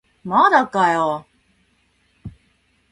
まだかよ